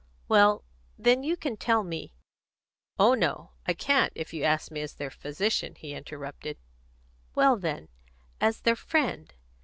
"Well, then, you can tell me " "Oh no, I can't, if you ask me as their physician," he interrupted. "Well, then, as their friend.